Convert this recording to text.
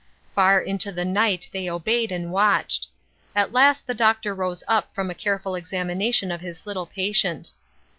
Far into the night they obeyed and watched. At last the Doctor rose up from a careful examination of his little patient.